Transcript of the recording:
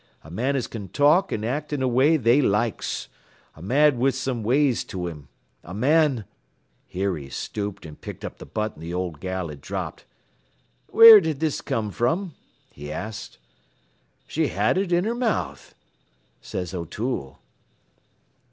A man as can talk an' act in a way they likes. A man wid some ways to him. A man ' Here he stooped an' picked up th' button th' old gal had dropped. "'Where did this come from?' he asked. "'She had it in her mouth,' says O'Toole.